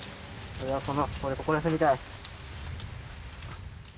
俺はここに住みたい。